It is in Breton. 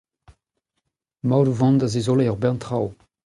Emaout o vont da zizoleiñ ur bern traoù !